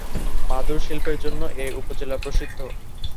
মাদুর শিল্পের জন্য এ উপজেলা প্রসিদ্ধ।